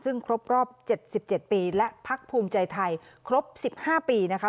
ซึ่งครบรอบเจ็ดสิบเจ็ดปีและพักภูมิใจไทยครบสิบห้าปีนะคะ